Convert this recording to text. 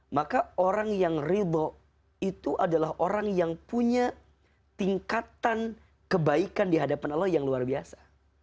maka orang yang ridho itu adalah orang yang punya tingkatan kebaikan di hadapan allah yang luar biasa